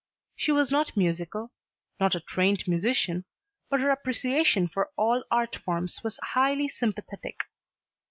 She was not musical, not a trained musician, but her appreciation for all art forms was highly sympathetic.